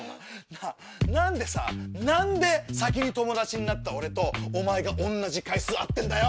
なぁ何でさ何で先に友達になった俺とお前が同じ回数会ってんだよ！